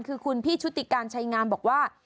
คือคุณพี่ชุติการชัยงามบอกว่า